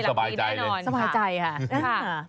ทุกชนั้นกลิ้มสบายใจเลย